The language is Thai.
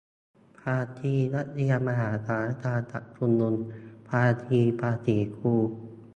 ภาคีนักเรียนมหาสารคาม จัดชุมนุม ภาคีภาษีกู